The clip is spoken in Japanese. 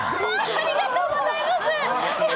ありがとうございます！